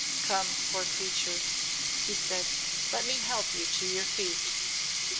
"Come, poor creature," he said, "let me help you to your feet."